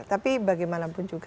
tapi bagaimanapun juga